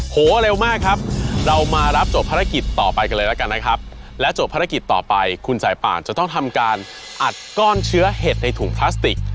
โหเร็วมากครับเรามารับจบภารกิจต่อไปกันเลยแล้วกันนะครับและจบภารกิจต่อไปคุณสายป่านจะต้องทำการอัดก้อนเชื้อเห็ดในถุงพลาสติก